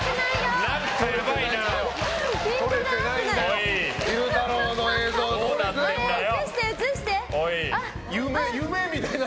何かやばいな。